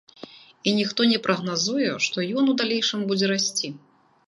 І ніхто не прагназуе, што ён у далейшым будзе расці.